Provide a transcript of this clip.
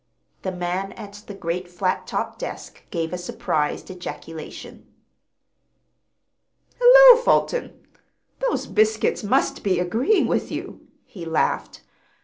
The man at the great flat topped desk gave a surprised ejaculation. "Hullo, Fulton! Those biscuits must be agreeing with you," he laughed.